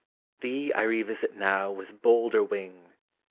Thee I revisit now with bolder wing.